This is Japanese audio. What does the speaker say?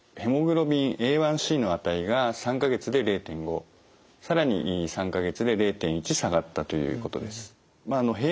ＨｂＡ１ｃの値が３か月で０．５更に３か月で０．１下がったということです。